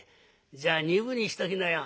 「じゃあ二分にしときなよ」。